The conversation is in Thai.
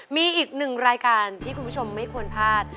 มีอีกหนึ่งรายการที่คุณผู้ชมไม่ควรพลาด